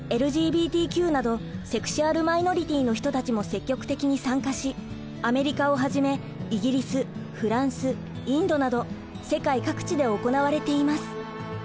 ＬＧＢＴＱなどセクシュアル・マイノリティーの人たちも積極的に参加しアメリカをはじめイギリスフランスインドなど世界各地で行われています。